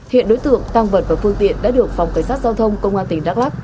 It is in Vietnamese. hiện đối tượng tăng vật và phương tiện đã được phòng cảnh sát giao thông công an tỉnh đắk lắc